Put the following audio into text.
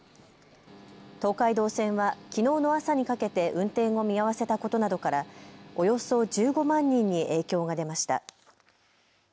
東海道線はきのうの朝にかけて運転を見合わせたことなどからおよそ１５万人に影響が出ました。